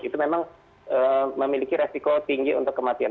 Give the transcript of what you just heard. itu memang memiliki resiko tinggi untuk kematian